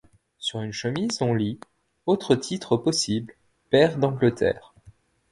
Sur une chemise on lit : autre titre possible, pair d’angleterre.